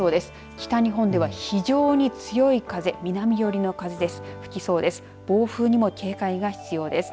北日本では非常に強い風南よりの風です。